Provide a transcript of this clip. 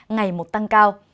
ngày một tăng cao